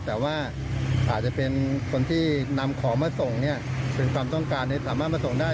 แต่ว่าอาจจะเป็นคนที่นำของมาส่งเนี่ยเป็นความต้องการสามารถมาส่งได้